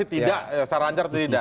masih tidak secara lancar tidak